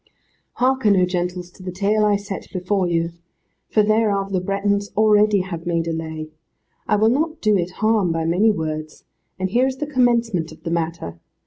Hearken, oh gentles, to the tale I set before you, for thereof the Bretons already have made a Lay. I will not do it harm by many words, and here is the commencement of the matter.